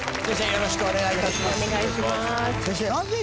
よろしくお願いします。